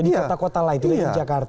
di kota kota lain lagi di jakarta